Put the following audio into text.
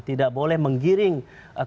tidak boleh menggiring kekuasaan